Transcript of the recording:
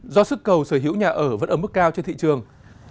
do sức cầu sở hữu nhà ở vẫn ở mức cao trên thị trường